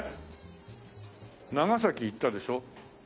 長崎行ったでしょ。